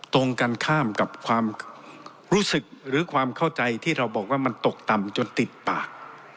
ตรงกันข้ามกับความรู้สึกหรือความเข้าใจที่เราบอกว่ามันตกต่ำจนติดปาก